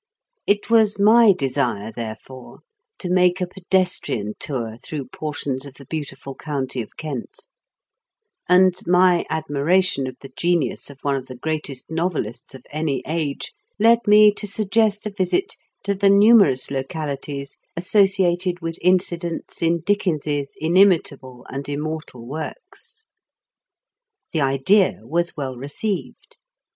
It was my desire, therefore, to make a pedestrian tour through portions of the beautiful county of Kent ; and my admi ration of the genius of one of the greatest novelists of any age led me to suggest a visit to the numerous localities associated with in cidents in Dickens's inimitable and immortal works. The idea was well received.